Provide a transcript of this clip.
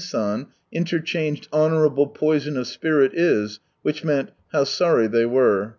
San interchanged " Honourable poison of spirit is "! which meant, how sorry they were.